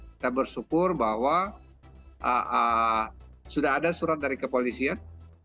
kita bersyukur bahwa sudah ada surat dari kepolisian